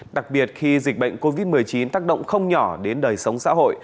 đặc biệt khi dịch bệnh covid một mươi chín tác động không nhỏ đến đời sống xã hội